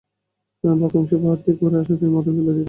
বাকি অংশ পাহাড় থেকে উড়ে আসলে তিনি মাথা ফেলে দিতেন।